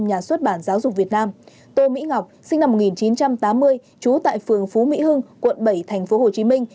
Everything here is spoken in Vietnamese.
nhà xuất bản giáo dục việt nam tô mỹ ngọc sinh năm một nghìn chín trăm tám mươi trú tại phường phú mỹ hưng quận bảy thành phố hồ chí minh